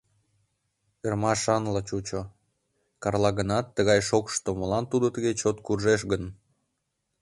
Ӧрмашанла чучо: Карла гынат, тыгай шокшышто молан тудо тыге чот куржеш гын?